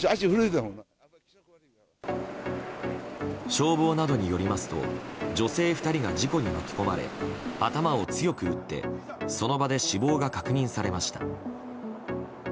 消防などによりますと女性２人が事故に巻き込まれ頭を強く打ってその場で死亡が確認されました。